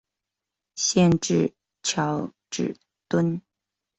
县治乔治敦。